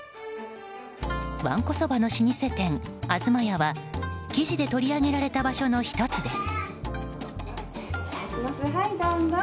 わんこそばの老舗店東屋は記事で取り上げられた場所の１つです。